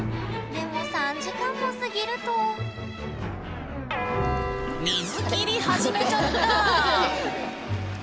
でも３時間も過ぎると水切り始めちゃった！